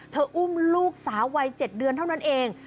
อุ้มลูกสาววัย๗เดือนเท่านั้นเอง